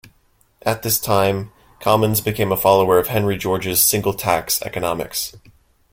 At this time, Commons became a follower of Henry George's 'single tax' economics.